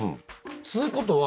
っつうことは。